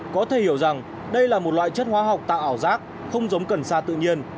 có thể hiểu rằng đây là một loại chất hóa học tạo ảo giác không giống cần sa tự nhiên